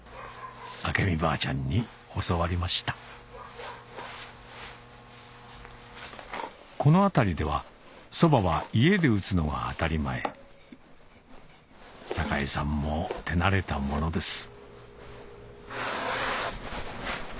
明美ばあちゃんに教わりましたこの辺りではそばは家で打つのが当たり前さかえさんも手慣れたものです